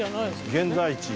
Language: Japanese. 現在地。